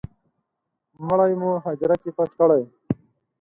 مړی مو هدیره کي پټ کړی